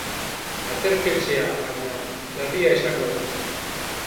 Aterpetxea, baina, berria izango da.